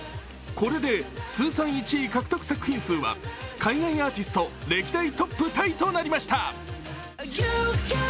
これで通算１位獲得作品数は海外アーティスト歴代トップタイとなりました。